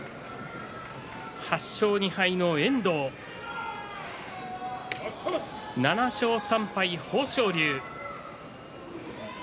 ８勝２敗の遠藤７勝３敗の豊昇龍。